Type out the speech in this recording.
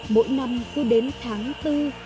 mỗi năm cứ đến tháng tư